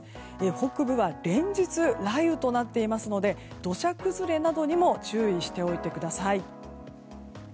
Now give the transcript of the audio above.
北部は連日雷雨となっていますので土砂崩れなどにも注意しておいてください。